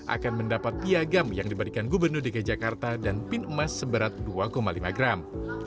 akan mendapat piagam yang diberikan gubernur dki jakarta dan pin emas seberat dua lima gram